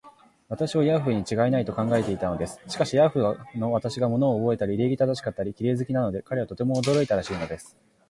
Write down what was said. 私をヤーフにちがいない、と考えていたのです。しかし、ヤーフの私が物をおぼえたり、礼儀正しかったり、綺麗好きなので、彼はとても驚いたらしいのです。